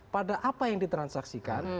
pada apa yang ditransaksikan